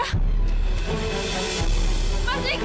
aku gak tahu tani